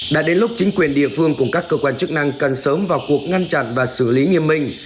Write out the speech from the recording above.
đã đến lúc chính quyền địa phương cùng các cơ quan chức năng cần sớm vào cuộc ngăn chặn và xử lý nghiêm minh